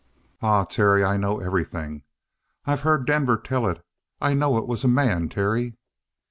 "Ah, Terry, I know everything. I've heard Denver tell it. I know it was a man, Terry."